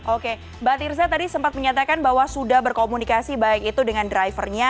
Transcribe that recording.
oke mbak tirza tadi sempat menyatakan bahwa sudah berkomunikasi baik itu dengan drivernya